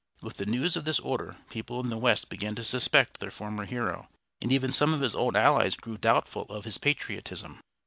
With the news of this order people in the West began to suspect their former hero, and even some of his old allies grew doubtful of his patriotism.